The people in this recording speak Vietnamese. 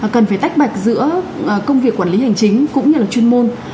cần phải tách bạch giữa công việc quản lý hành chính cũng như là chuyên môn